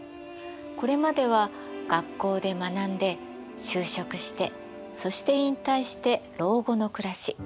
これまでは学校で学んで就職してそして引退して老後の暮らし。